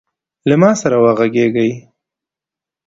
له ما سره وغږیږﺉ .